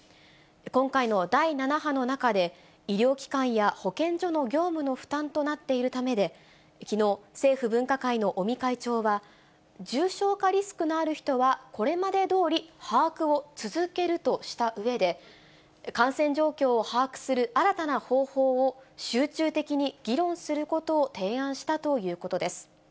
今回の第７波の中で、医療機関や保健所の業務の負担となっているためで、きのう、政府分科会の尾身会長は、重症化リスクのある人は、これまでどおり把握を続けるとしたうえで、感染状況を把握する新たな方法を集中的に議論することを提案したということです。